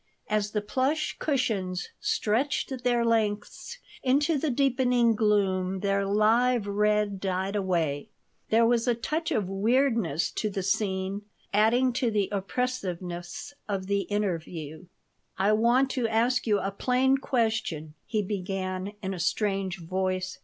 As the plush cushions stretched their lengths into the deepening gloom their live red died away. There was a touch of weirdness to the scene, adding to the oppressiveness of the interview "I want to ask you a plain question," he began, in a strange voice.